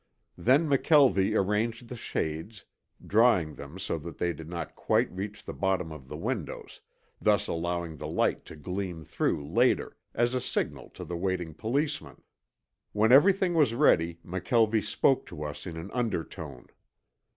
Then McKelvie arranged the shades, drawing them so that they did not quite reach the bottom of the windows, thus allowing the light to gleam through later, as a signal to the waiting policemen. When everything was ready McKelvie spoke to us in an undertone.